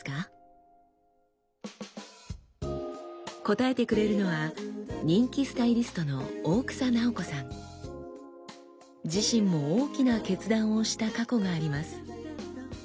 答えてくれるのは人気自身も大きな決断をした過去があります。